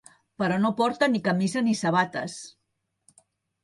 Però no porta ni camisa ni sabates.